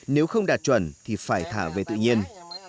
nếu không đạt chuẩn thì phải thả về tự nhiên